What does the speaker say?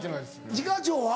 次課長は？